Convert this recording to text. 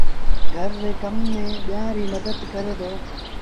گھر ري ڪم ميݩ ٻيٚآݩ ريٚ مدت ڪري دو